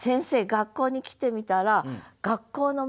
学校に来てみたら学校の周り